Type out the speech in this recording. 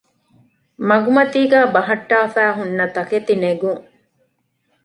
މަގުމަތީގައި ބަހައްޓާފައި ހުންނަ ތަކެތިނެގުން